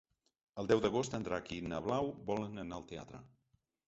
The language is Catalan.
El deu d'agost en Drac i na Blau volen anar al teatre.